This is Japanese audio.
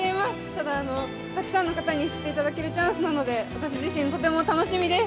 ただ、たくさんの方に知っていただけるチャンスなので、私自身、とても楽しみです。